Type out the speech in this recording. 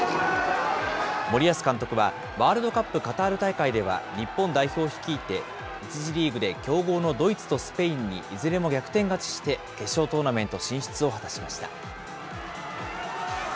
森保監督はワールドカップカタール大会では、日本代表を率いて、１次リーグで強豪のドイツとスペインにいずれも逆転勝ちして、決勝トーナメント進出を果たしました。